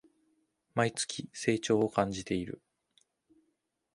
毎月、成長を感じてる